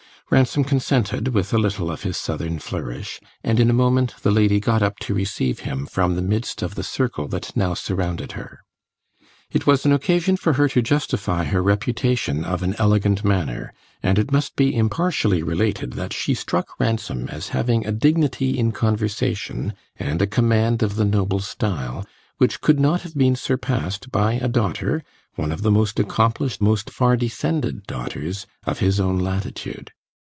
Ransom consented, with a little of his Southern flourish, and in a moment the lady got up to receive him from the midst of the circle that now surrounded her. It was an occasion for her to justify her reputation of an elegant manner, and it must be impartially related that she struck Ransom as having a dignity in conversation and a command of the noble style which could not have been surpassed by a daughter one of the most accomplished, most far descended daughters of his own latitude.